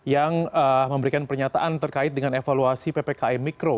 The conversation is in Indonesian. yang memberikan pernyataan terkait dengan evaluasi ppkm mikro